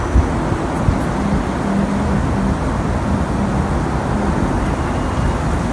Éstos constaban, en primer lugar, en extraer los corazones de los cautivos del pecho.